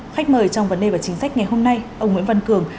khách mời trong vấn đề và chính sách ngày hôm nay ông nguyễn văn cường